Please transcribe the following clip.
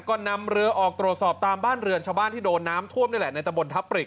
ก็นำเรือออกตรวจสอบตามบ้านเรือนชาวบ้านที่โดนน้ำท่วมนี่แหละในตะบนทับปริก